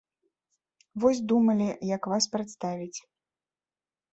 Вось думалі, як вас прадставіць.